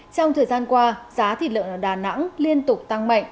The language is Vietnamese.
trong thời gian qua giá thịt lợn ở đà nẵng liên tục tăng mạnh